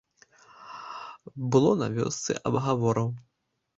Было на вёсцы абгавораў!